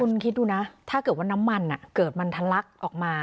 คุณคิดดูนะถ้าเกิดว่าน้ำมันเกิดมันทะลักออกมา